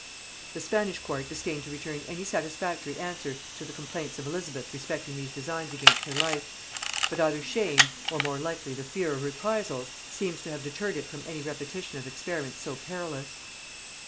The Spanish court disdained to return any satisfactory answer to the complaints of Elizabeth respecting these designs against her life; but either shame, or more likely the fear of reprisals, seems to have deterred it from any repetition of experiments so perilous.